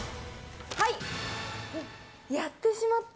はい、やってしまった！